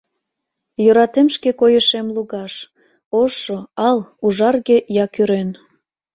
Йӧратем шке койышем лугаш, Ошо, ал, ужарге я кӱрен.